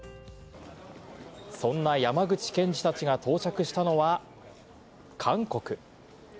そんな山口検事たちが到着したのは、韓国。